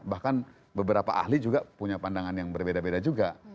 bahkan beberapa ahli juga punya pandangan yang berbeda beda juga